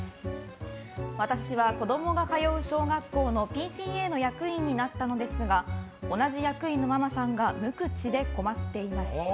私は子供の通う小学校のＰＴＡの役員になったのですが同じ役員のママさんが無口で困っています。